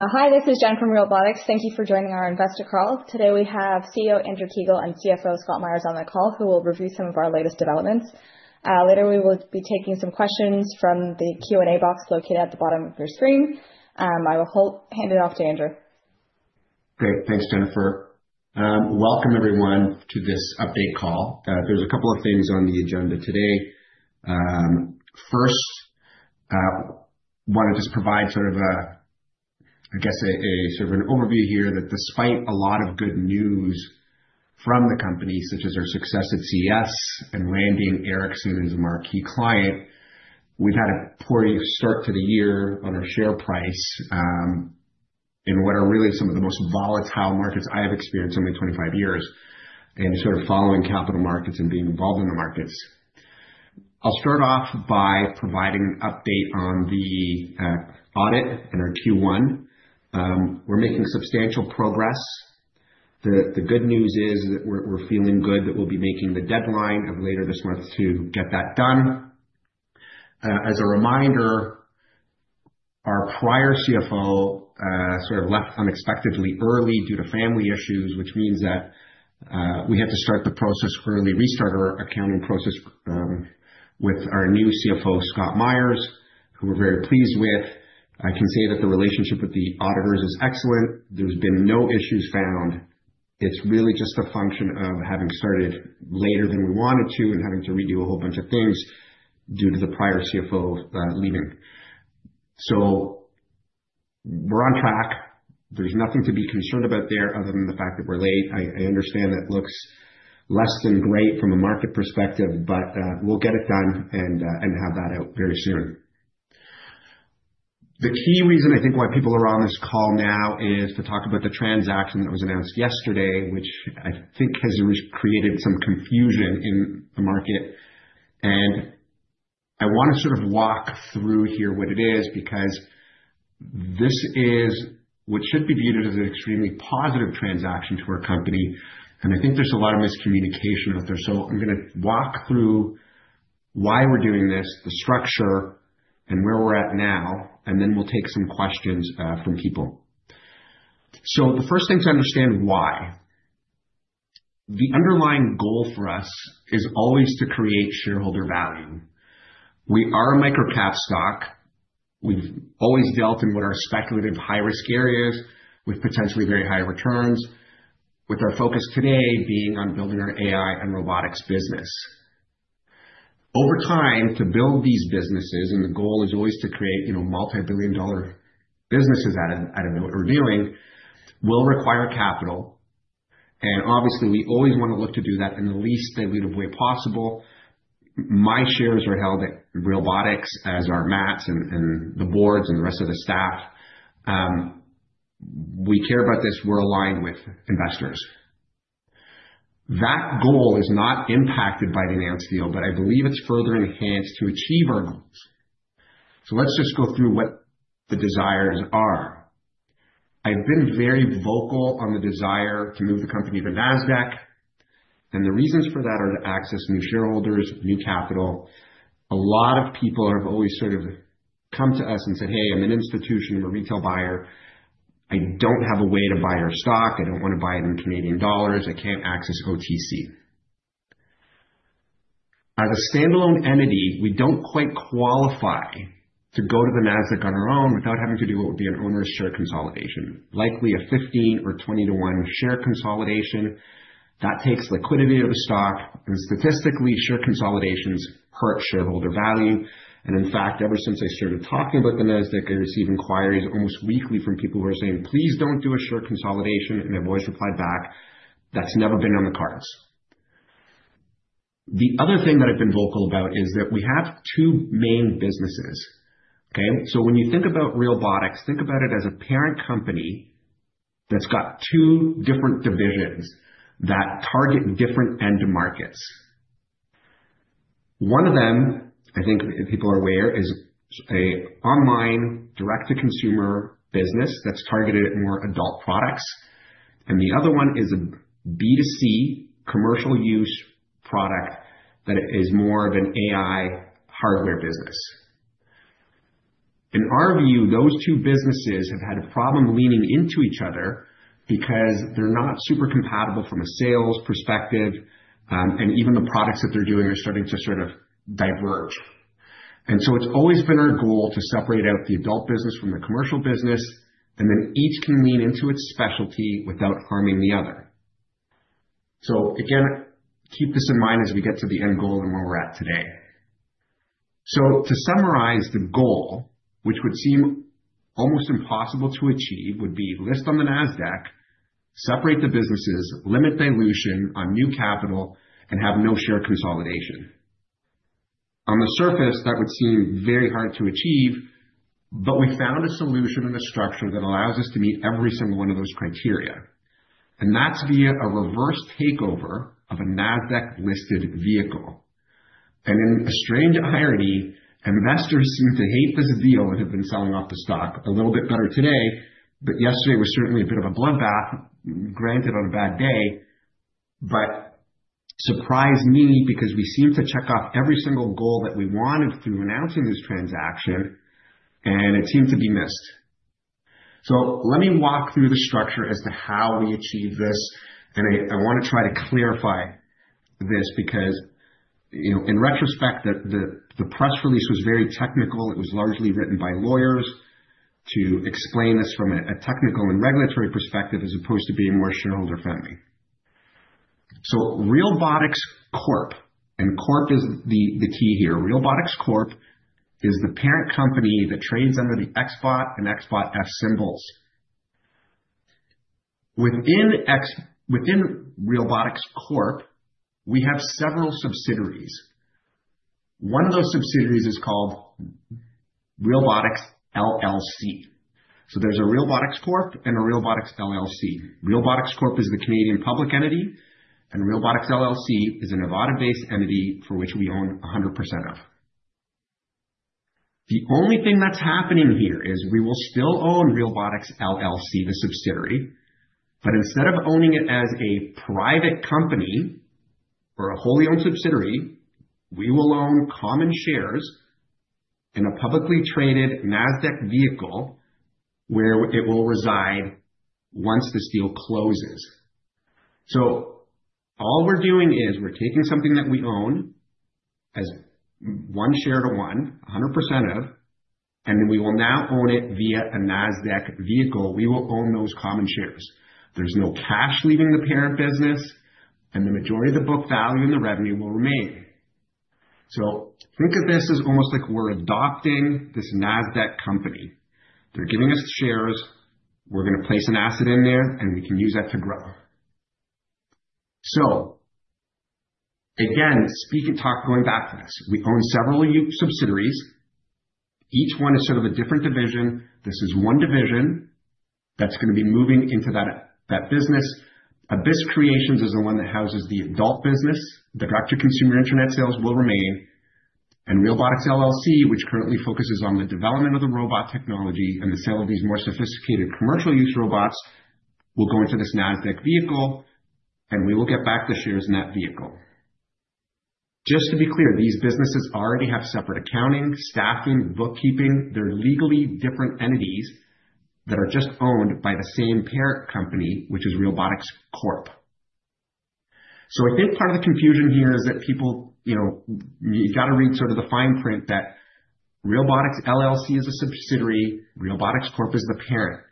Hi, this is Jen from Realbotix. Thank you for joining our investor call. Today we have CEO Andrew Kiguel and CFO Scott Myers on the call, who will review some of our latest developments. Later, we will be taking some questions from the Q&A box located at the bottom of your screen. I will hand it off to Andrew. Great. Thanks, Jennifer. Welcome everyone to this update call. There's a couple of things on the agenda today. First, wanna just provide sort of a, I guess, sort of an overview here that despite a lot of good news from the company, such as our success at CES and landing and Ericsson as a marquee client, we've had a poor start to the year on our share price, in what are really some of the most volatile markets I have experienced in my 25 years in sort of following capital markets and being involved in the markets. I'll start off by providing an update on the audit and our Q1. We're making substantial progress. The good news is that we're feeling good that we'll be making the deadline of later this month to get that done. As a reminder, our prior CFO sort of left unexpectedly early due to family issues, which means that we had to start the process early, restart our accounting process with our new CFO, Scott Myers, who we're very pleased with. I can say that the relationship with the auditors is excellent. There's been no issues found. It's really just a function of having started later than we wanted to and having to redo a whole bunch of things due to the prior CFO leaving. So we're on track. There's nothing to be concerned about there other than the fact that we're late. I understand that looks less than great from a market perspective, but we'll get it done and have that out very soon. The key reason I think why people are on this call now is to talk about the transaction that was announced yesterday, which I think has created some confusion in the market. I want to sort of walk through here what it is, because this is what should be viewed as an extremely positive transaction to our company, and I think there's a lot of miscommunication out there. I'm gonna walk through why we're doing this, the structure, and where we're at now, and then we'll take some questions from people. The first thing to understand, why? The underlying goal for us is always to create shareholder value. We are a micro-cap stock. We've always dealt in what are speculative, high-risk areas with potentially very high returns, with our focus today being on building our AI and Realbotix business. Over time, to build these businesses, and the goal is always to create, you know, multi-billion dollar businesses out of, out of what we're doing, will require capital. And obviously, we always want to look to do that in the least dilutive way possible. My shares are held at Realbotix, as are Matt's and, and the boards and the rest of the staff. We care about this. We're aligned with investors. That goal is not impacted by the Onco deal, but I believe it's further enhanced to achieve our goals. So let's just go through what the desires are. I've been very vocal on the desire to move the company to Nasdaq, and the reasons for that are to access new shareholders, new capital. A lot of people have always sort of come to us and said, "Hey, I'm an institution, I'm a retail buyer. I don't have a way to buy your stock. I don't want to buy it in Canadian dollars. I can't access OTC." As a standalone entity, we don't quite qualify to go to the Nasdaq on our own without having to do what would be an onerous share consolidation. Likely a 15 or 20-to-1 share consolidation that takes liquidity out of the stock, and statistically, share consolidations hurt shareholder value. In fact, ever since I started talking about the Nasdaq, I receive inquiries almost weekly from people who are saying, "Please don't do a share consolidation," and I've always replied back, "That's never been on the cards." The other thing that I've been vocal about is that we have two main businesses, okay? So when you think about Realbotix, think about it as a parent company that's got two different divisions that target different end markets. One of them, I think people are aware, is an online direct-to-consumer business that's targeted at more adult products, and the other one is a B2C commercial use product that is more of an AI hardware business. In our view, those two businesses have had a problem leaning into each other because they're not super compatible from a sales perspective, and even the products that they're doing are starting to sort of diverge. And so it's always been our goal to separate out the adult business from the commercial business, and then each can lean into its specialty without harming the other. So again, keep this in mind as we get to the end goal and where we're at today. So to summarize, the goal, which would seem almost impossible to achieve, would be list on the Nasdaq, separate the businesses, limit dilution on new capital, and have no share consolidation. On the surface, that would seem very hard to achieve, but we found a solution and a structure that allows us to meet every single one of those criteria, and that's via a reverse takeover of a Nasdaq-listed vehicle. In a strange irony, investors seem to hate this deal and have been selling off the stock a little bit better today, but yesterday was certainly a bit of a bloodbath, granted, on a bad day, but surprised me because we seemed to check off every single goal that we wanted through announcing this transaction, and it seemed to be missed. So let me walk through the structure as to how we achieve this, and I want to try to clarify this because, you know, in retrospect, the press release was very technical. It was largely written by lawyers to explain this from a technical and regulatory perspective, as opposed to being more shareholder-friendly. So Realbotix Corp, and Corp is the key here. Realbotix Corp is the parent company that trades under the XBOT and XBOTF symbols. Within Realbotix Corp, we have several subsidiaries. One of those subsidiaries is called Realbotix LLC. So there's a Realbotix Corp and a Realbotix LLC. Realbotix Corp is the Canadian public entity, and Realbotix LLC is a Nevada-based entity for which we own 100% of. The only thing that's happening here is we will still own Realbotix LLC, the subsidiary, but instead of owning it as a private company or a wholly owned subsidiary, we will own common shares in a publicly traded Nasdaq vehicle where it will reside once this deal closes. So all we're doing is we're taking something that we own as 1 share to 1, 100% of, and then we will now own it via a Nasdaq vehicle. We will own those common shares. There's no cash leaving the parent business, and the majority of the book value and the revenue will remain. So think of this as almost like we're adopting this Nasdaq company. They're giving us shares, we're gonna place an asset in there, and we can use that to grow. So again, speak and talk, going back to this, we own several subsidiaries. Each one is sort of a different division. This is one division that's gonna be moving into that, that business. Abyss Creations is the one that houses the adult business. The direct-to-consumer internet sales will remain, and Realbotix LLC, which currently focuses on the development of the robot technology and the sale of these more sophisticated commercial use robots, will go into this Nasdaq vehicle, and we will get back the shares in that vehicle. Just to be clear, these businesses already have separate accounting, staffing, bookkeeping. They're legally different entities that are just owned by the same parent company, which is Realbotix Corp. So a big part of the confusion here is that people, you know, you've got to read sort of the fine print that Realbotix LLC is a subsidiary, Realbotix Corp is the parent.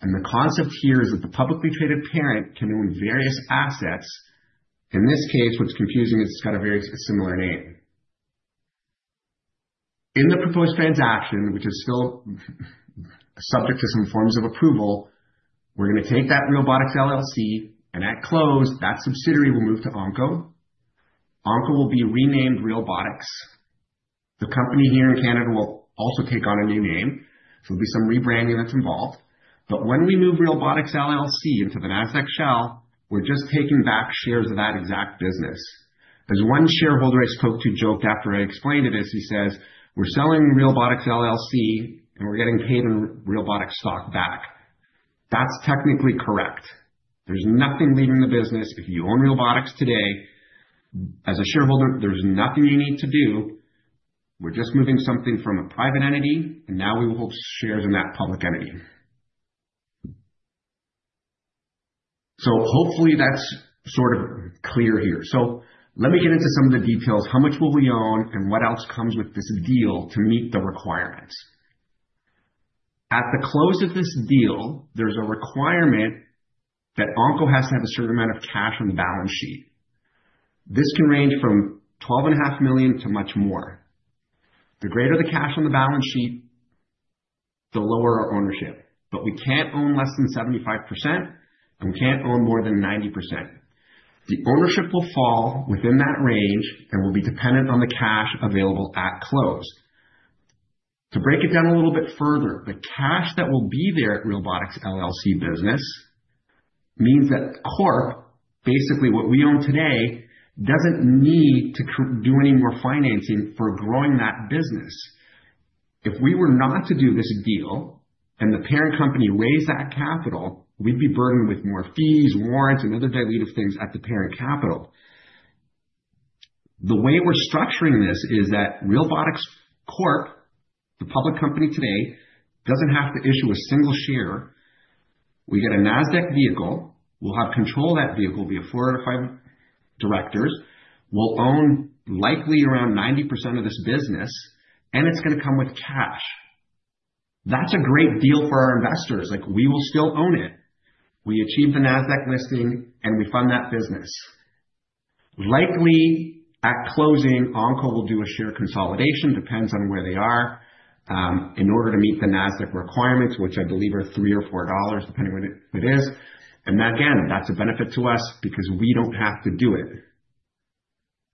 The concept here is that the publicly traded parent can own various assets. In this case, what's confusing is it's got a very similar name. In the proposed transaction, which is still subject to some forms of approval, we're gonna take that Realbotix LLC, and at close, that subsidiary will move to Onco. Onco will be renamed Realbotix. The company here in Canada will also take on a new name, so there'll be some rebranding that's involved. But when we move Realbotix LLC into the Nasdaq shell, we're just taking back shares of that exact business. There's one shareholder I spoke to, joked after I explained it this, he says, "We're selling Realbotix LLC and we're getting paid in Realbotix stock back." That's technically correct. There's nothing leaving the business. If you own Realbotix today, as a shareholder, there's nothing you need to do. We're just moving something from a private entity, and now we will hold shares in that public entity. So hopefully that's sort of clear here. So let me get into some of the details. How much will we own, and what else comes with this deal to meet the requirements? At the close of this deal, there's a requirement that Onco has to have a certain amount of cash on the balance sheet. This can range from $12.5 million to much more. The greater the cash on the balance sheet, the lower our ownership, but we can't own less than 75% and we can't own more than 90%. The ownership will fall within that range and will be dependent on the cash available at close. To break it down a little bit further, the cash that will be there at Realbotix LLC business means that Corp, basically what we own today, doesn't need to do any more financing for growing that business. If we were not to do this deal and the parent company raised that capital, we'd be burdened with more fees, warrants, and other dilutive things at the parent capital. The way we're structuring this is that Realbotix Corp, the public company today, doesn't have to issue a single share. We get a Nasdaq vehicle. We'll have control of that vehicle via four out of five directors. We'll own likely around 90% of this business, and it's gonna come with cash. That's a great deal for our investors. Like, we will still own it. We achieve the Nasdaq listing, and we fund that business. Likely at closing, Onco will do a share consolidation, depends on where they are, in order to meet the Nasdaq requirements, which I believe are $3 or $4, depending on what it is. And again, that's a benefit to us because we don't have to do it.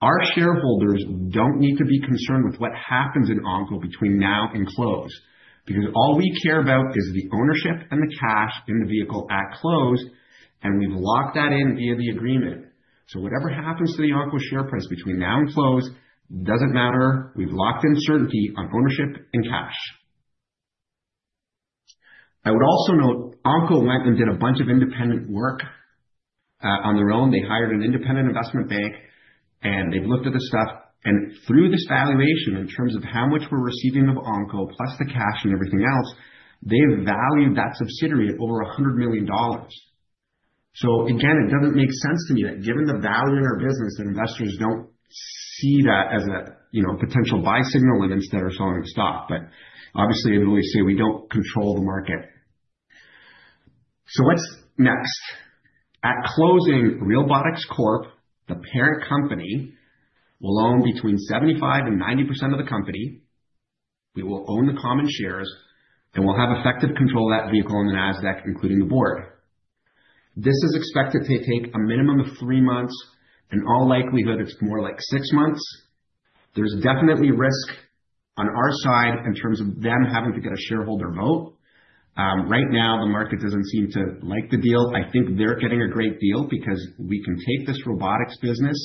Our shareholders don't need to be concerned with what happens in Onco between now and close, because all we care about is the ownership and the cash in the vehicle at close, and we've locked that in via the agreement. So whatever happens to the Onco share price between now and close doesn't matter. We've locked in certainty on ownership and cash. I would also note, Onco went and did a bunch of independent work, on their own. They hired an independent investment bank, and they've looked at the stuff, and through this valuation, in terms of how much we're receiving of Onco, plus the cash and everything else, they've valued that subsidiary at over $100 million. So again, it doesn't make sense to me that given the value in our business, that investors don't see that as a, you know, potential buy signal and instead are selling stock. But obviously, as we say, we don't control the market. So what's next? At closing, Realbotix Corp., the parent company, will own between 75% and 90% of the company. We will own the common shares and we'll have effective control of that vehicle on the Nasdaq, including the board. This is expected to take a minimum of 3 months. In all likelihood, it's more like 6 months. There's definitely risk on our side in terms of them having to get a shareholder vote. Right now, the market doesn't seem to like the deal. I think they're getting a great deal because we can take this Realbotix business.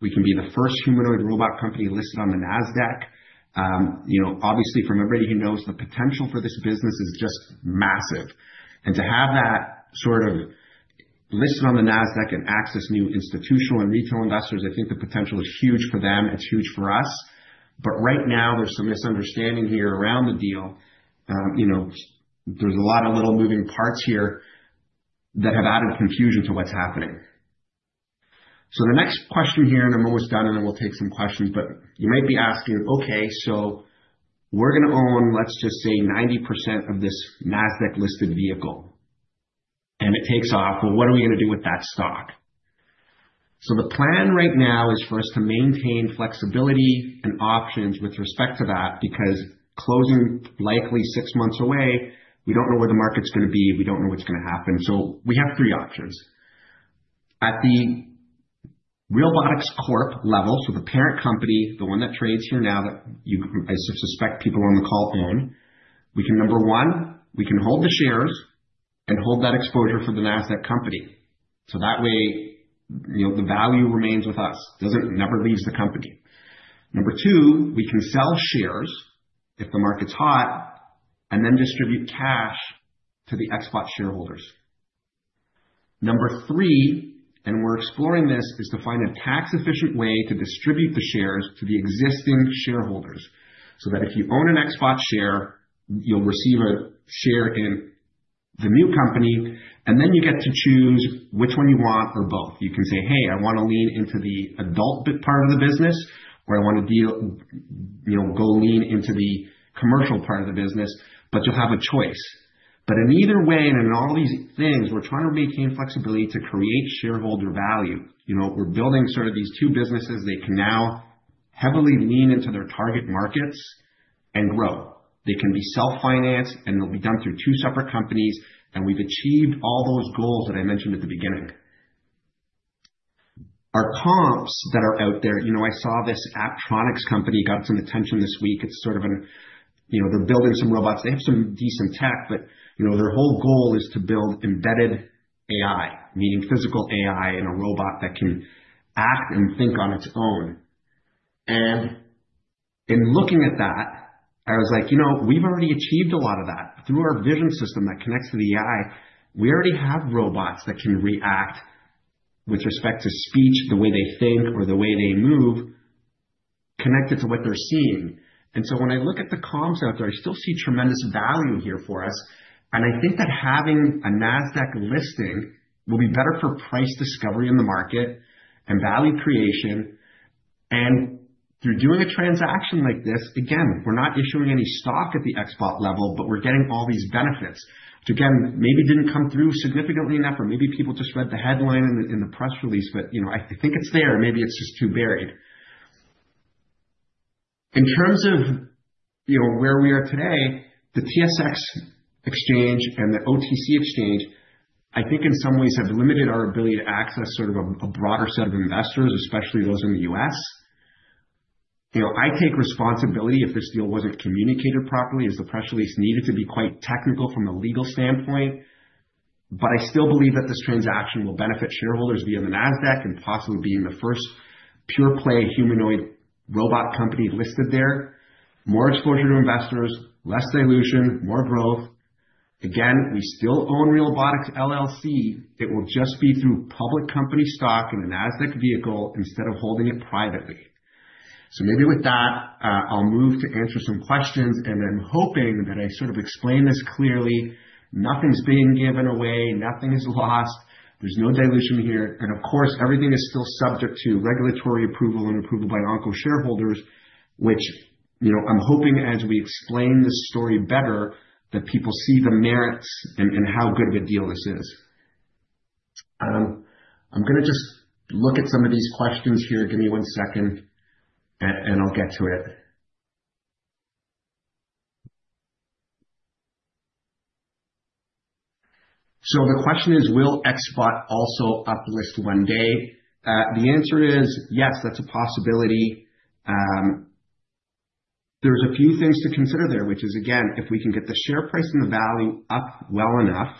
We can be the first humanoid robot company listed on the Nasdaq. You know, obviously, from everybody who knows, the potential for this business is just massive, and to have that sort of listed on the Nasdaq and access new institutional and retail investors, I think the potential is huge for them, it's huge for us. But right now, there's some misunderstanding here around the deal. You know, there's a lot of little moving parts here that have added confusion to what's happening. So the next question here, and then we're almost done, and then we'll take some questions, but you might be asking, "Okay, so we're gonna own, let's just say, 90% of this Nasdaq-listed vehicle, and it takes off. Well, what are we gonna do with that stock?" So the plan right now is for us to maintain flexibility and options with respect to that, because closing likely six months away, we don't know where the market's gonna be. We don't know what's gonna happen. So we have three options. At the Realbotix Corp level, so the parent company, the one that trades here now, that you, I suspect people on the call own, we can, number one, we can hold the shares and hold that exposure for the Nasdaq company. So that way, you know, the value remains with us. Doesn't-- never leaves the company. Number two, we can sell shares if the market's hot, and then distribute cash to the XBot shareholders. Number three, and we're exploring this, is to find a tax-efficient way to distribute the shares to the existing shareholders, so that if you own an XBot share, you'll receive a share in the new company, and then you get to choose which one you want or both. You can say, "Hey, I wanna lean into the adult business part of the business, or I wanna You know, go lean into the commercial part of the business," but you'll have a choice. But in either way, and in all these things, we're trying to maintain flexibility to create shareholder value. You know, we're building sort of these two businesses. They can now heavily lean into their target markets and grow. They can be self-financed, and they'll be done through two separate companies, and we've achieved all those goals that I mentioned at the beginning. Our comps that are out there, you know, I saw this Apptronik company got some attention this week. It's sort of an... You know, they're building some robots. They have some decent tech, but, you know, their whole goal is to build embedded AI, meaning physical AI in a robot that can act and think on its own. And in looking at that, I was like, "You know, we've already achieved a lot of that." Through our vision system that connects to the AI, we already have robots that can react with respect to speech, the way they think or the way they move, connected to what they're seeing. So when I look at the comps out there, I still see tremendous value here for us, and I think that having a Nasdaq listing will be better for price discovery in the market and value creation. Through doing a transaction like this, again, we're not issuing any stock at the XBot level, but we're getting all these benefits, which, again, maybe didn't come through significantly enough, or maybe people just read the headline in the press release, but, you know, I think it's there. Maybe it's just too buried. In terms of, you know, where we are today, the TSX Exchange and the OTC exchange, I think in some ways have limited our ability to access sort of a broader set of investors, especially those in the US. You know, I take responsibility if this deal wasn't communicated properly, as the press release needed to be quite technical from a legal standpoint, but I still believe that this transaction will benefit shareholders via the Nasdaq and possibly being the first pure play humanoid robot company listed there. More exposure to investors, less dilution, more growth. Again, we still own Realbotix LLC. It will just be through public company stock in a Nasdaq vehicle instead of holding it privately. So maybe with that, I'll move to answer some questions, and I'm hoping that I sort of explained this clearly. Nothing's being given away, nothing is lost, there's no dilution here, and of course, everything is still subject to regulatory approval and approval by Onco shareholders, which, you know, I'm hoping, as we explain this story better, that people see the merits and, and how good of a deal this is. I'm gonna just look at some of these questions here. Give me one second and, and I'll get to it. So the question is: Will XBot also uplist one day? The answer is yes, that's a possibility. There's a few things to consider there, which is, again, if we can get the share price and the value up well enough...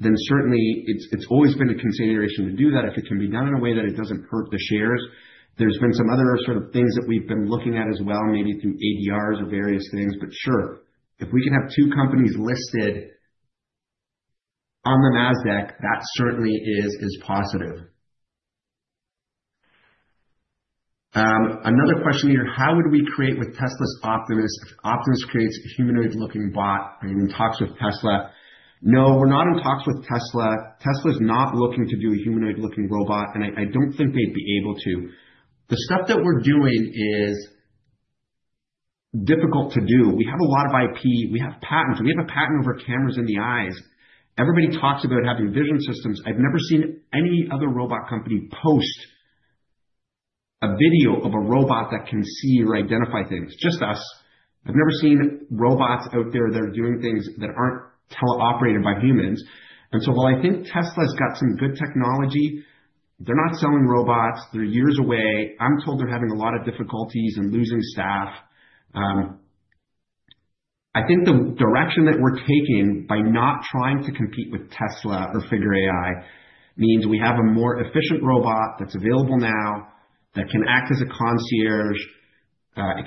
Then certainly it's, it's always been a consideration to do that if it can be done in a way that it doesn't hurt the shares. There's been some other sort of things that we've been looking at as well, maybe through ADRs or various things, but sure, if we can have two companies listed on the Nasdaq, that certainly is positive. Another question here: How would we compete with Tesla's Optimus if Optimus creates a humanoid-looking bot? Are you in talks with Tesla? No, we're not in talks with Tesla. Tesla's not looking to do a humanoid-looking robot, and I don't think we'd be able to. The stuff that we're doing is difficult to do. We have a lot of IP, we have patents, and we have a patent over cameras in the eyes. Everybody talks about having vision systems. I've never seen any other robot company post a video of a robot that can see or identify things, just us. I've never seen robots out there that are doing things that aren't teleoperated by humans. And so while I think Tesla's got some good technology, they're not selling robots. They're years away. I'm told they're having a lot of difficulties and losing staff. I think the direction that we're taking by not trying to compete with Tesla or Figure AI means we have a more efficient robot that's available now, that can act as a concierge,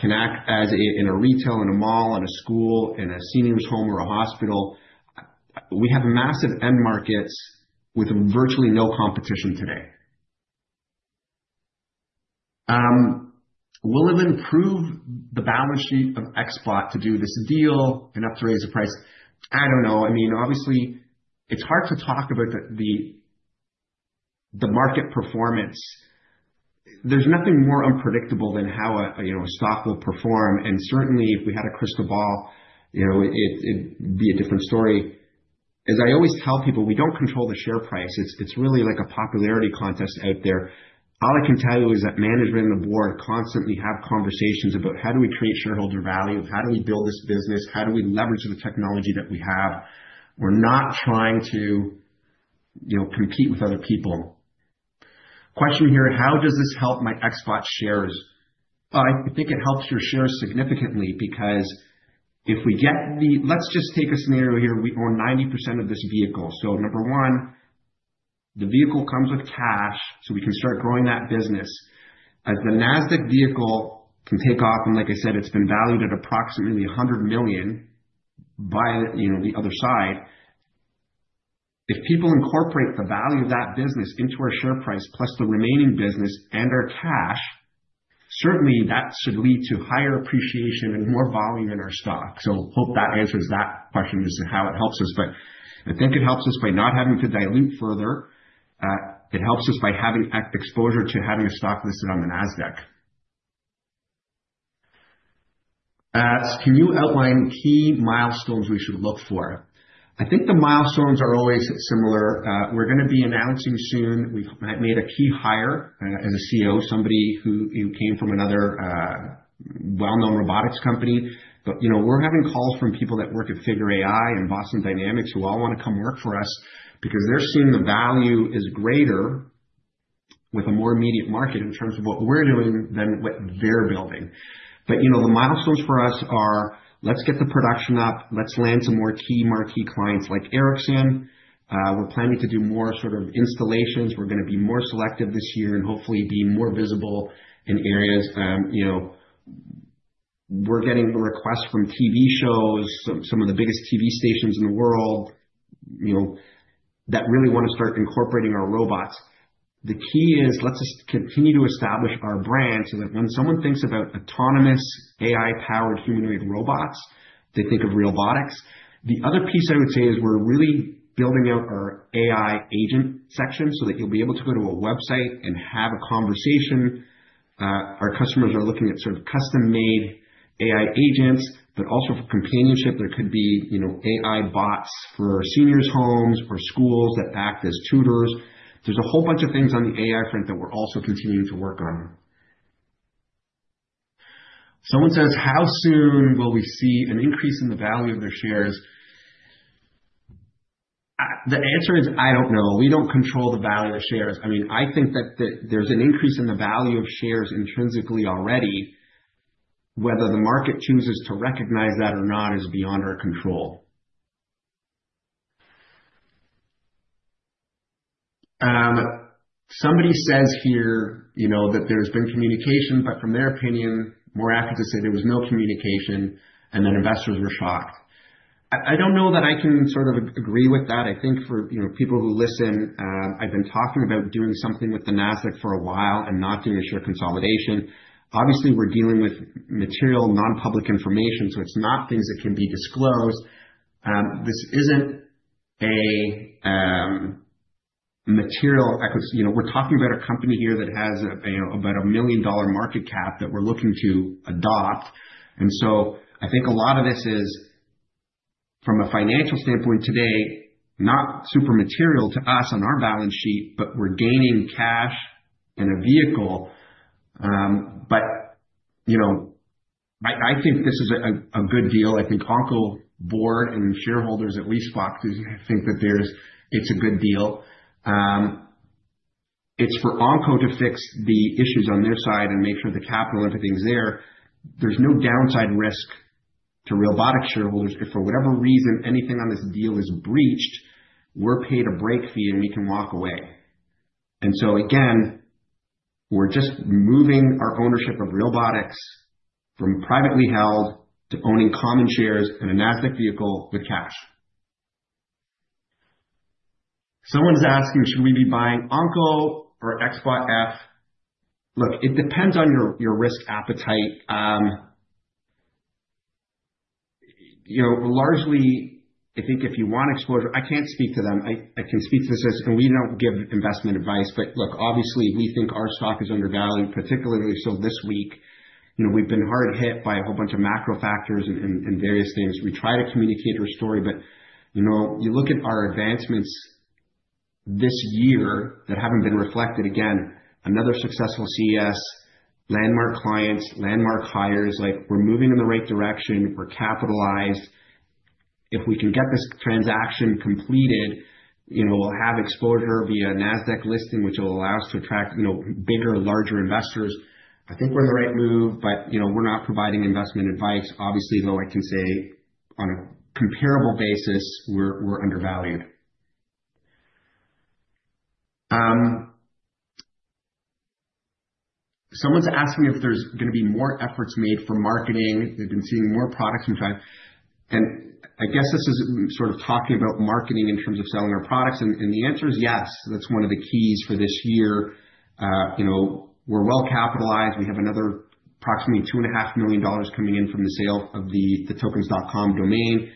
in a retail, in a mall, in a school, in a senior's home, or a hospital. We have massive end markets with virtually no competition today. Will it improve the balance sheet of Xbot to do this deal enough to raise the price? I don't know. I mean, obviously, it's hard to talk about the market performance. There's nothing more unpredictable than how a, you know, a stock will perform, and certainly if we had a crystal ball, you know, it'd, it'd be a different story. As I always tell people, we don't control the share price. It's, it's really like a popularity contest out there. All I can tell you is that management and the board constantly have conversations about how do we create shareholder value? How do we build this business? How do we leverage the technology that we have? We're not trying to, you know, compete with other people. Question here: How does this help my XBOT shares? I think it helps your shares significantly because if we get the. Let's just take a scenario here. We own 90% of this vehicle. So number one, the vehicle comes with cash, so we can start growing that business. As the Nasdaq vehicle can take off, and like I said, it's been valued at approximately $100 million by, you know, the other side. If people incorporate the value of that business into our share price, plus the remaining business and our cash, certainly that should lead to higher appreciation and more volume in our stock. So I hope that answers that question as to how it helps us, but I think it helps us by not having to dilute further. It helps us by having exposure to having a stock listed on the Nasdaq. Can you outline key milestones we should look for? I think the milestones are always similar. We're gonna be announcing soon. We've made a key hire, as a CEO, somebody who came from another, well-known Realbotix company. But, you know, we're having calls from people that work at Figure AI and Boston Dynamics who all wanna come work for us because they're seeing the value is greater with a more immediate market in terms of what we're doing than what they're building. But, you know, the milestones for us are, let's get the production up, let's land some more key marquee clients like Ericsson. We're planning to do more sort of installations. We're gonna be more selective this year and hopefully be more visible in areas. You know, we're getting requests from TV shows, some of the biggest TV stations in the world, you know, that really want to start incorporating our robots. The key is, let's just continue to establish our brand so that when someone thinks about autonomous AI-powered humanoid robots, they think of Realbotix. The other piece I would say is we're really building out our AI agent section so that you'll be able to go to a website and have a conversation. Our customers are looking at sort of custom-made AI agents, but also for companionship. There could be, you know, AI bots for seniors' homes, for schools that act as tutors. There's a whole bunch of things on the AI front that we're also continuing to work on. Someone says: How soon will we see an increase in the value of their shares? The answer is, I don't know. We don't control the value of the shares. I mean, I think that there's an increase in the value of shares intrinsically already. Whether the market chooses to recognize that or not is beyond our control. Somebody says here, you know, that there's been communication, but from their opinion, more accurate to say there was no communication and that investors were shocked. I don't know that I can sort of agree with that. I think for, you know, people who listen, I've been talking about doing something with the Nasdaq for a while and not doing a share consolidation. Obviously, we're dealing with material, non-public information, so it's not things that can be disclosed. This isn't a material, because, you know, we're talking about a company here that has a, you know, about a $1 million market cap that we're looking to adopt. And so I think a lot of this is, from a financial standpoint today, not super material to us on our balance sheet, but we're gaining cash in a vehicle. But, you know, I, I think this is a, a good deal. I think our Board and shareholders at XBOT think that there's. It's a good deal. It's for Onco to fix the issues on their side and make sure the capital and everything's there. There's no downside risk to Realbotix shareholders. If for whatever reason, anything on this deal is breached, we're paid a break fee, and we can walk away. And so again, we're just moving our ownership of Realbotix from privately held to owning common shares in a Nasdaq vehicle with cash. Someone's asking, "Should we be buying Onco or XBOTF? Look, it depends on your, your risk appetite. You know, largely, I think if you want exposure, I can't speak to them. I, I can speak to this, and we don't give investment advice. But look, obviously, we think our stock is undervalued, particularly so this week. You know, we've been hard hit by a whole bunch of macro factors and various things. We try to communicate our story, but, you know, you look at our advancements this year that haven't been reflected. Again, another successful CES, landmark clients, landmark hires, like, we're moving in the right direction, we're capitalized. If we can get this transaction completed, you know, we'll have Explorer via a Nasdaq listing, which will allow us to attract, you know, bigger, larger investors. I think we're in the right move, but, you know, we're not providing investment advice. Obviously, though, I can say on a comparable basis, we're undervalued. Someone's asking if there's gonna be more efforts made for marketing. They've been seeing more products, in fact. I guess this is sort of talking about marketing in terms of selling our products, and the answer is yes. That's one of the keys for this year. You know, we're well capitalized. We have another approximately $2.5 million coming in from the sale of the tokens.com domain.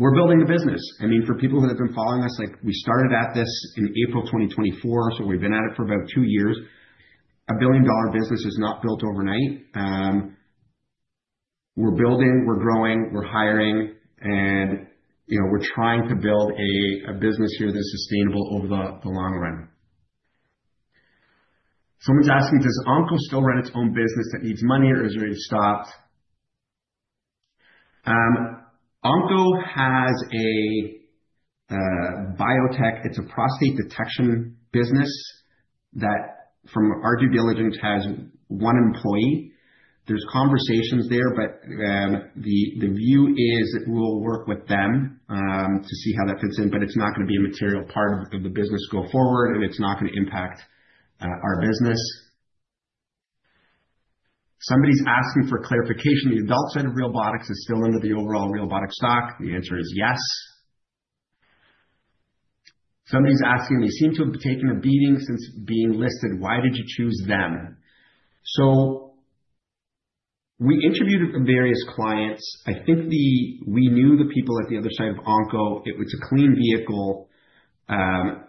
We're building a business. I mean, for people who have been following us, like, we started at this in April 2024, so we've been at it for about two years. A billion-dollar business is not built overnight. We're building, we're growing, we're hiring, and, you know, we're trying to build a business here that's sustainable over the long run. Someone's asking, "Does Onco still run its own business that needs money, or is it stopped?" Onco has a biotech. It's a prostate detection business that, from our due diligence, has one employee. There's conversations there, but the view is we'll work with them to see how that fits in, but it's not gonna be a material part of the business go forward, and it's not gonna impact our business. Somebody's asking for clarification. The adult side of Realbotix is still under the overall Realbotix stock? The answer is yes. Somebody's asking, "They seem to have taken a beating since being listed. Why did you choose them?" So we interviewed various clients. I think we knew the people at the other side of Onco. It was a clean vehicle. Again,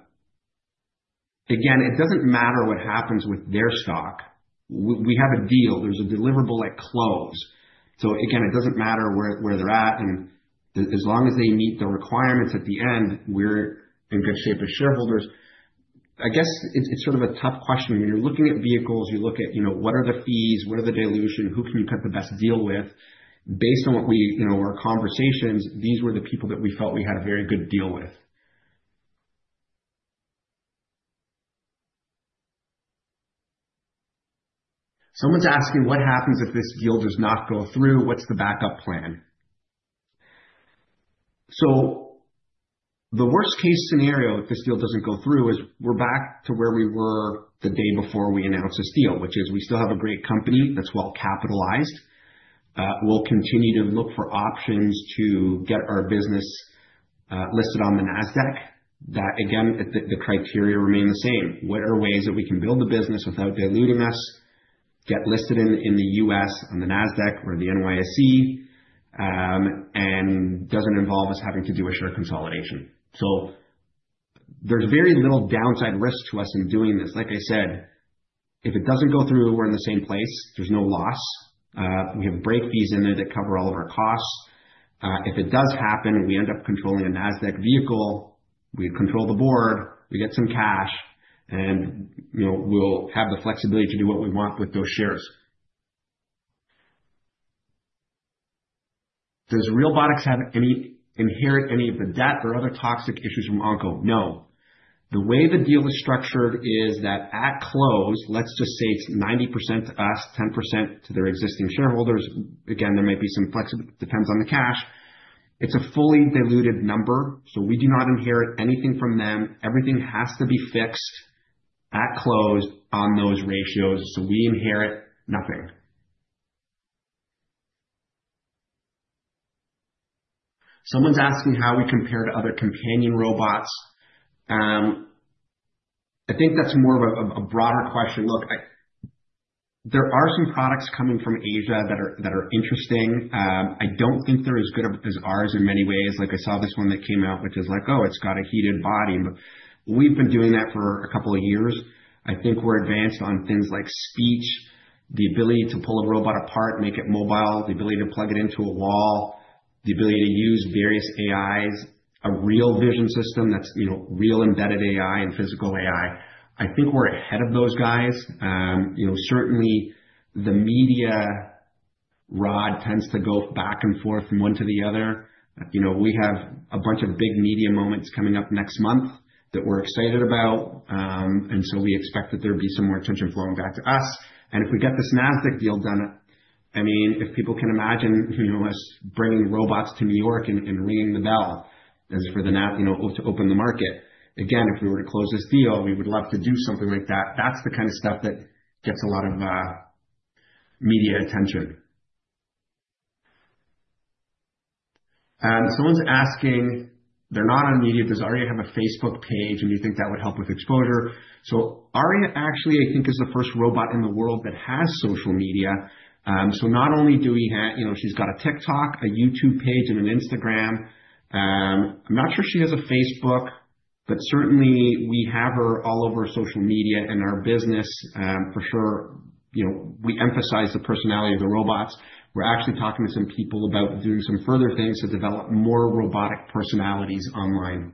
it doesn't matter what happens with their stock. We have a deal. There's a deliverable at close. So again, it doesn't matter where they're at, and as long as they meet the requirements at the end, we're in good shape as shareholders. I guess it's sort of a tough question. When you're looking at vehicles, you look at, you know, what are the fees? What are the dilution? Who can you cut the best deal with? Based on what we, you know, our conversations, these were the people that we felt we had a very good deal with. Someone's asking, "What happens if this deal does not go through? What's the backup plan?" So the worst-case scenario, if this deal doesn't go through, is we're back to where we were the day before we announced this deal, which is we still have a great company that's well capitalized. We'll continue to look for options to get our business listed on the Nasdaq. That again, the criteria remain the same. What are ways that we can build the business without diluting us, get listed in the US, on the Nasdaq or the NYSE, and doesn't involve us having to do a share consolidation? So there's very little downside risk to us in doing this. Like I said, if it doesn't go through, we're in the same place. There's no loss. We have break fees in there that cover all of our costs. If it does happen, and we end up controlling a Nasdaq vehicle, we control the board, we get some cash, and, you know, we'll have the flexibility to do what we want with those shares. "Does Realbotix have any inherent any of the debt or other toxic issues from Onco?" No. The way the deal is structured is that at close, let's just say it's 90% to us, 10% to their existing shareholders. Again, there might be some flex. Depends on the cash. It's a fully diluted number, so we do not inherit anything from them. Everything has to be fixed at close on those ratios, so we inherit nothing. Someone's asking how we compare to other companion robots. I think that's more of a broader question. Look, there are some products coming from Asia that are interesting. I don't think they're as good as ours in many ways. Like, I saw this one that came out, which is like, oh, it's got a heated body, but we've been doing that for a couple of years. I think we're advanced on things like speech, the ability to pull a robot apart, make it mobile, the ability to plug it into a wall, the ability to use various AIs, a real vision system that's, you know, real embedded AI and physical AI. I think we're ahead of those guys. You know, certainly the media tends to go back and forth from one to the other. You know, we have a bunch of big media moments coming up next month that we're excited about. And so we expect that there will be some more attention flowing back to us. And if we get this Nasdaq deal done, I mean, if people can imagine, you know, us bringing robots to New York and ringing the bell for the Nasdaq, you know, to open the market. Again, if we were to close this deal, we would love to do something like that. That's the kind of stuff that gets a lot of media attention. Someone's asking, they're not on media. Does Aria have a Facebook page, and do you think that would help with exposure? So Aria actually, I think, is the first robot in the world that has social media. So not only do we have... You know, she's got a TikTok, a YouTube page, and an Instagram. I'm not sure she has a Facebook, but certainly we have her all over social media and our business. For sure, you know, we emphasize the personality of the robots. We're actually talking to some people about doing some further things to develop more robotic personalities online.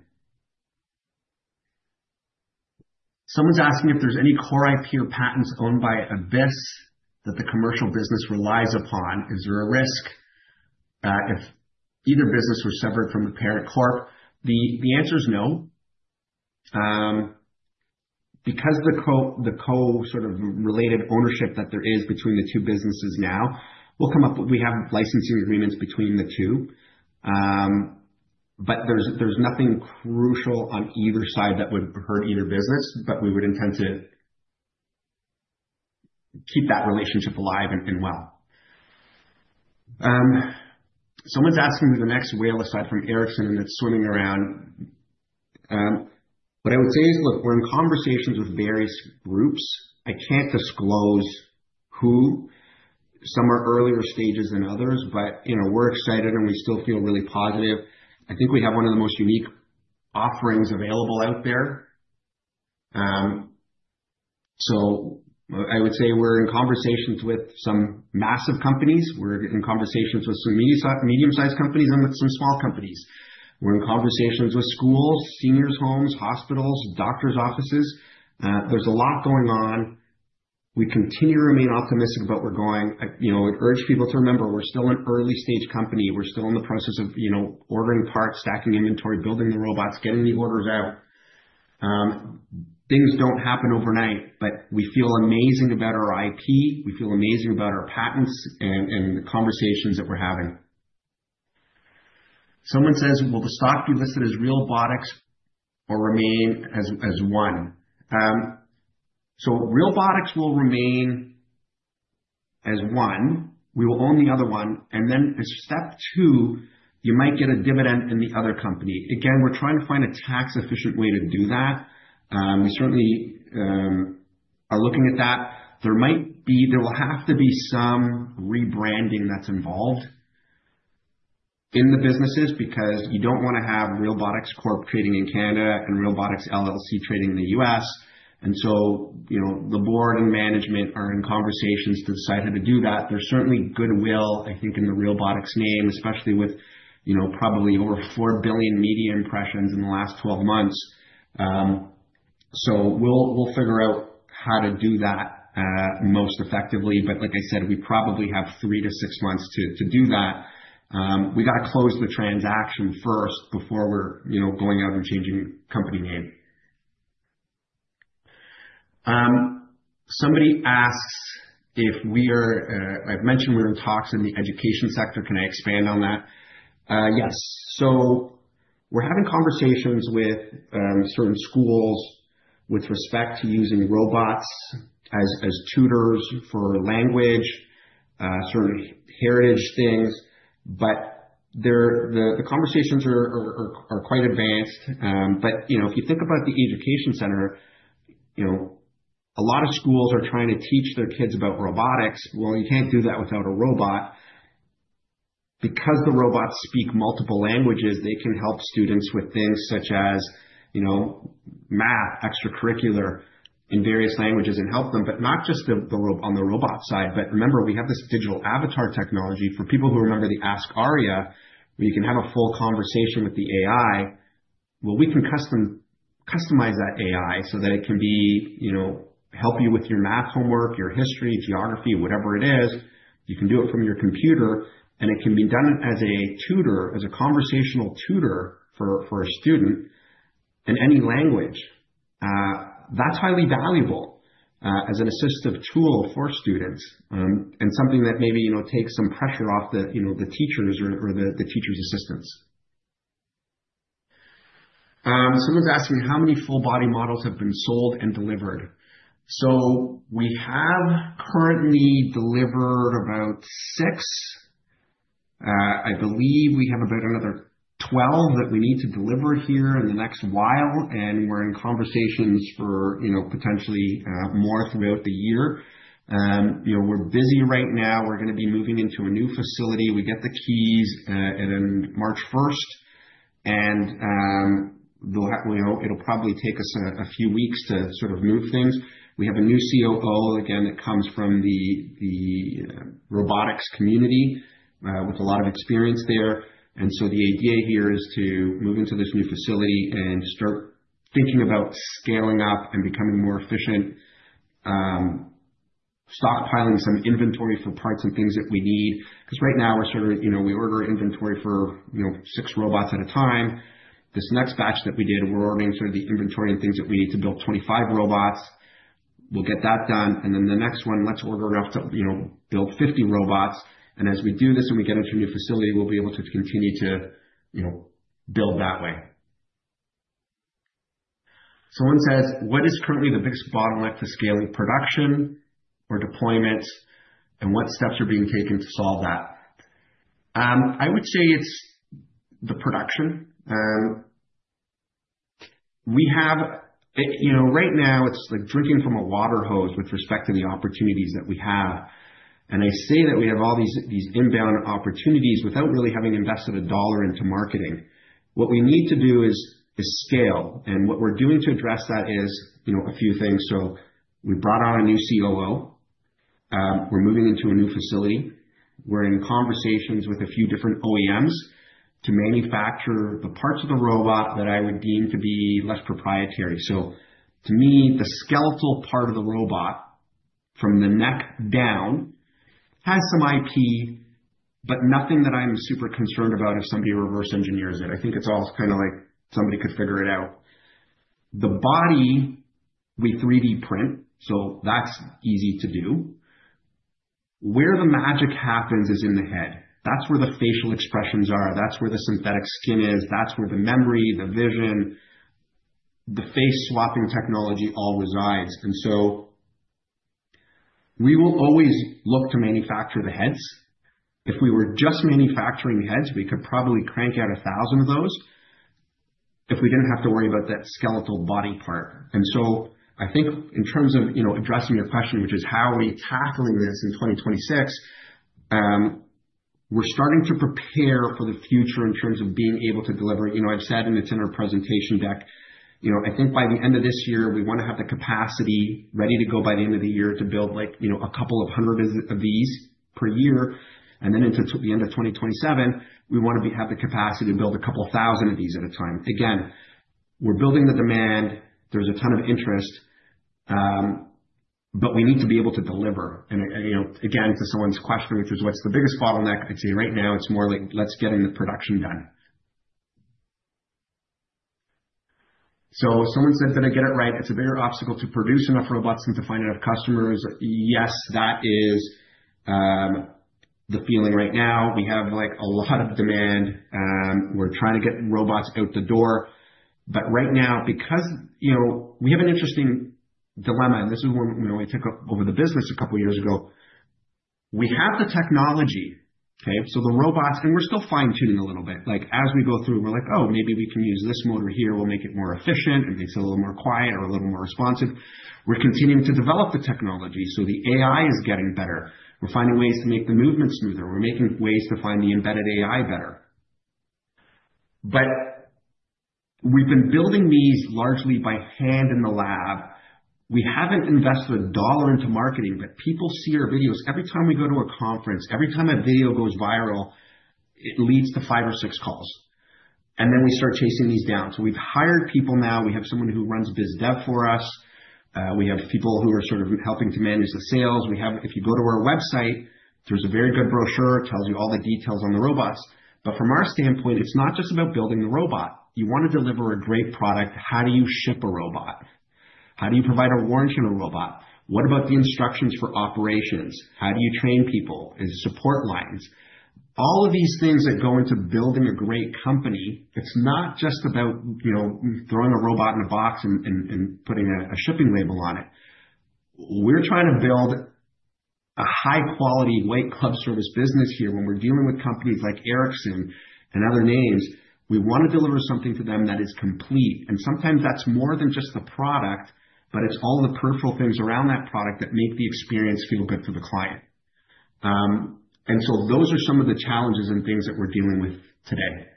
Someone's asking if there's any core IP or patents owned by Abyss that the commercial business relies upon. Is there a risk if either business were separate from the parent corp? The answer is no. Because the sort of related ownership that there is between the two businesses now, we have licensing agreements between the two. But there's nothing crucial on either side that would hurt either business, but we would intend to keep that relationship alive and well. Someone's asking the next whale aside from Ericsson that's swimming around. What I would say is, look, we're in conversations with various groups. I can't disclose who. Some are earlier stages than others, but you know, we're excited, and we still feel really positive. I think we have one of the most unique offerings available out there. So I would say we're in conversations with some massive companies. We're in conversations with some mid-sized, medium-sized companies and with some small companies. We're in conversations with schools, seniors homes, hospitals, doctors' offices. There's a lot going on. We continue to remain optimistic about where we're going. You know, I encourage people to remember, we're still an early-stage company. We're still in the process of, you know, ordering parts, stacking inventory, building the robots, getting the orders out. Things don't happen overnight, but we feel amazing about our IP. We feel amazing about our patents and the conversations that we're having. Someone says, "Will the stock be listed as Realbotix or remain as ONCO?" So Realbotix will remain as ONCO. We will own the other one, and then as step two, you might get a dividend in the other company. Again, we're trying to find a tax-efficient way to do that. We certainly are looking at that. There will have to be some rebranding that's involved in the businesses, because you don't want to have Realbotix Corp trading in Canada and Realbotix LLC trading in the U.S. And so, you know, the board and management are in conversations to decide how to do that. There's certainly goodwill, I think, in the Realbotix name, especially with, you know, probably over 4 billion media impressions in the last 12 months. So we'll figure out how to do that most effectively, but like I said, we probably have 3-6 months to do that. We got to close the transaction first before we're, you know, going out and changing company name. Somebody asks if we are - I've mentioned we're in talks in the education sector. Can I expand on that? Yes. So we're having conversations with certain schools with respect to using robots as tutors for language, sort of heritage things, but the conversations are quite advanced. But, you know, if you think about the education center, you know, a lot of schools are trying to teach their kids about Realbotix. Well, you can't do that without a robot. Because the robots speak multiple languages, they can help students with things such as, you know, math, extracurricular in various languages and help them, but not just the robot side. But remember, we have this digital avatar technology for people who remember the Ask Aria, where you can have a full conversation with the AI. Well, we can customize that AI so that it can be, you know, help you with your math homework, your history, geography, whatever it is. You can do it from your computer, and it can be done as a tutor, as a conversational tutor for a student in any language. That's highly valuable as an assistive tool for students, and something that maybe, you know, takes some pressure off the, you know, the teachers or the teachers' assistants. Someone's asking how many full body models have been sold and delivered. So we have currently delivered about 6. I believe we have about another 12 that we need to deliver here in the next while, and we're in conversations for, you know, potentially more throughout the year. You know, we're busy right now. We're gonna be moving into a new facility. We get the keys on March first, and we'll have, you know, it'll probably take us a few weeks to sort of move things. We have a new COO, again, that comes from the Realbotix community with a lot of experience there. And so the idea here is to move into this new facility and start thinking about scaling up and becoming more efficient, stockpiling some inventory for parts and things that we need, because right now we're sort of, you know, we order inventory for, you know, 6 robots at a time. This next batch that we did, we're ordering sort of the inventory and things that we need to build 25 robots. We'll get that done, and then the next one, let's order enough to, you know, build 50 robots. And as we do this and we get into a new facility, we'll be able to continue to, you know, build that way. Someone says, "What is currently the biggest bottleneck to scaling production or deployment, and what steps are being taken to solve that?" I would say it's the production. We have, you know, right now it's like drinking from a water hose with respect to the opportunities that we have, and I say that we have all these, these inbound opportunities without really having invested a dollar into marketing. What we need to do is scale, and what we're doing to address that is, you know, a few things. So we brought on a new COO. We're moving into a new facility. We're in conversations with a few different OEMs to manufacture the parts of the robot that I would deem to be less proprietary. So to me, the skeletal part of the robot from the neck down has some IP, but nothing that I'm super concerned about if somebody reverse engineers it. I think it's all kind of like somebody could figure it out. The body we 3D print, so that's easy to do. Where the magic happens is in the head. That's where the facial expressions are, that's where the synthetic skin is, that's where the memory, the vision, the face swapping technology all resides. And so we will always look to manufacture the heads. If we were just manufacturing heads, we could probably crank out 1,000 of those if we didn't have to worry about that skeletal body part. So I think in terms of, you know, addressing your question, which is how are we tackling this in 2026? We're starting to prepare for the future in terms of being able to deliver. You know, I've said, and it's in our presentation deck, you know, I think by the end of this year, we wanna have the capacity ready to go by the end of the year to build like, you know, a couple of 100 of these per year. And then into the end of 2027, we wanna be, have the capacity to build a couple 1,000 of these at a time. Again, we're building the demand. There's a ton of interest, but we need to be able to deliver. And you know, again, to someone's question, which is: What's the biggest bottleneck? I'd say right now it's more like, let's get the production done. So someone said, "Did I get it right? It's a bigger obstacle to produce enough robots than to find enough customers." Yes, that is the feeling right now. We have, like, a lot of demand. We're trying to get robots out the door, but right now, because, you know, we have an interesting dilemma, and this is where, when we took over the business a couple of years ago, we have the technology, okay? So the robots... And we're still fine-tuning a little bit. Like, as we go through, we're like, "Oh, maybe we can use this motor here. We'll make it more efficient, it makes it a little more quiet or a little more responsive." We're continuing to develop the technology, so the AI is getting better. We're finding ways to make the movement smoother. We're making ways to find the embedded AI better. But we've been building these largely by hand in the lab. We haven't invested a dollar into marketing, but people see our videos. Every time we go to a conference, every time a video goes viral, it leads to five or six calls, and then we start chasing these down. So we've hired people now. We have someone who runs biz dev for us. We have people who are sort of helping to manage the sales. If you go to our website, there's a very good brochure, it tells you all the details on the robots. But from our standpoint, it's not just about building the robot. You want to deliver a great product. How do you ship a robot? How do you provide a warranty on a robot? What about the instructions for operations? How do you train people and support lines? All of these things that go into building a great company. It's not just about, you know, throwing a robot in a box and putting a shipping label on it. We're trying to build a high-quality white glove service business here. When we're dealing with companies like Ericsson and other names, we wanna deliver something to them that is complete, and sometimes that's more than just the product, but it's all the peripheral things around that product that make the experience feel good for the client. So those are some of the challenges and things that we're dealing with today.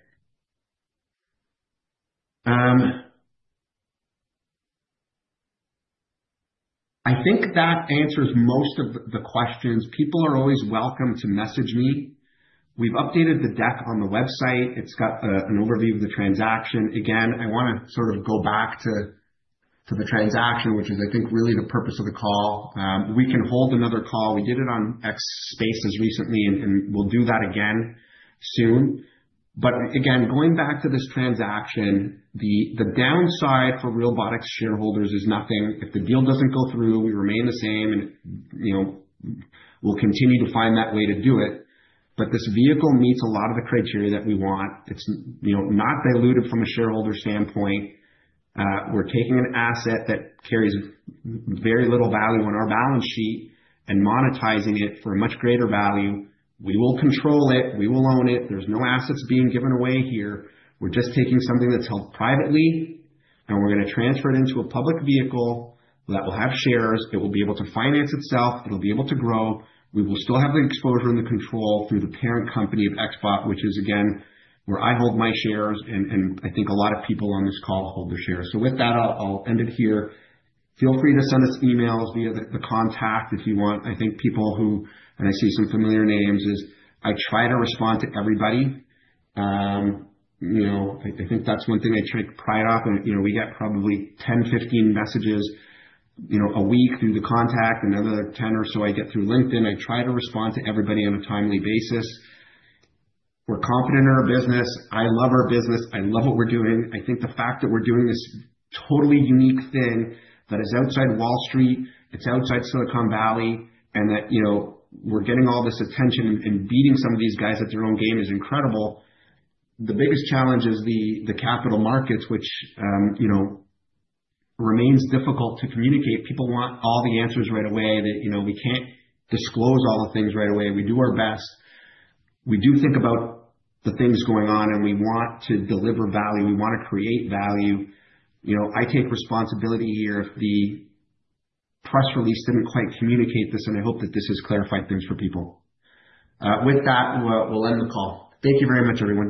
I think that answers most of the questions. People are always welcome to message me. We've updated the deck on the website. It's got an overview of the transaction. Again, I wanna sort of go back to the transaction, which is, I think, really the purpose of the call. We can hold another call. We did it on X Spaces recently, and we'll do that again soon. But again, going back to this transaction, the downside for Realbotix shareholders is nothing. If the deal doesn't go through, we remain the same and, you know, we'll continue to find that way to do it. But this vehicle meets a lot of the criteria that we want. It's, you know, not diluted from a shareholder standpoint. We're taking an asset that carries very little value on our balance sheet and monetizing it for a much greater value. We will control it, we will own it. There's no assets being given away here. We're just taking something that's held privately, and we're gonna transfer it into a public vehicle that will have shares, it will be able to finance itself, it'll be able to grow. We will still have the exposure and the control through the parent company of XBOT, which is again, where I hold my shares and I think a lot of people on this call hold their shares. So with that, I'll end it here. Feel free to send us emails via the contact if you want. I think people who... And I see some familiar names, as I try to respond to everybody. You know, I think that's one thing I take pride of, and, you know, we get probably 10, 15 messages, you know, a week through the contact. Another 10 or so I get through LinkedIn. I try to respond to everybody on a timely basis. We're confident in our business. I love our business. I love what we're doing. I think the fact that we're doing this totally unique thing that is outside Wall Street, it's outside Silicon Valley, and that, you know, we're getting all this attention and, and beating some of these guys at their own game is incredible. The biggest challenge is the capital markets, which, you know, remains difficult to communicate. People want all the answers right away, that, you know, we can't disclose all the things right away. We do our best. We do think about the things going on, and we want to deliver value. We wanna create value. You know, I take responsibility here if the press release didn't quite communicate this, and I hope that this has clarified things for people. With that, we'll end the call. Thank you very much, everyone.